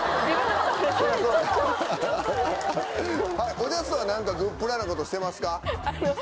おじゃすは何かグップラなことしてますか？